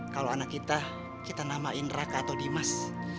kalau anak kita kita namain raka atau dimas